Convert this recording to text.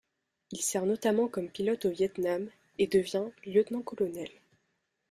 Il sert notamment comme pilote au Viêt Nam et devient lieutenant-colonel.